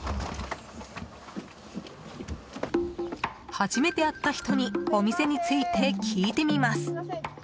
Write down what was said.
初めて会った人にお店について聞いてみます。